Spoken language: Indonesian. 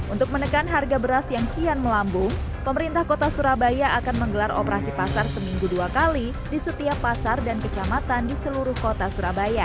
untuk menekan harga beras yang kian melambung pemerintah kota surabaya akan menggelar operasi pasar seminggu dua kali di setiap pasar dan kecamatan di seluruh kota surabaya